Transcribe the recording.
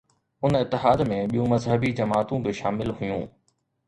ان اتحاد ۾ ٻيون مذهبي جماعتون به شامل هيون.